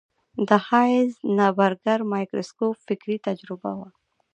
د هایزنبرګر مایکروسکوپ فکري تجربه وه.